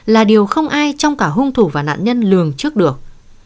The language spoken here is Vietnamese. là điều không ai trong cả hung thủ và nạn nhân lường trước được